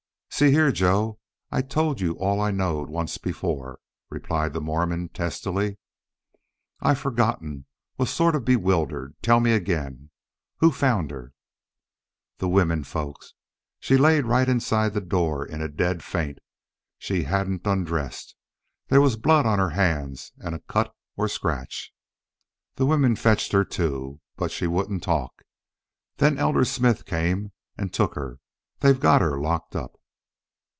"See here, Joe, I told you all I knowed once before," replied the Mormon, testily. "I've forgotten. Was sort of bewildered. Tell me again.... Who found her?" "The women folks. She laid right inside the door, in a dead faint. She hadn't undressed. There was blood on her hands an' a cut or scratch. The women fetched her to. But she wouldn't talk. Then Elder Smith come an' took her. They've got her locked up."